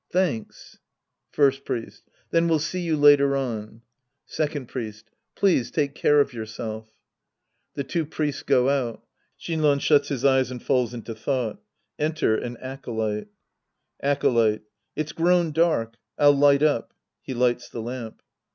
Thanks. First Priest. Thenjwe'Jl see yo}i_Iater_on,— Second Priest. Please take care of yourself i^he two Priests go out. Shinran shuts his eyes and falls into thought. Entex^.aiL^A£olytef) Acolyte. It's grown dark. I'll light up. {He lights the lamf.)